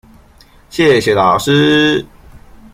謝謝老師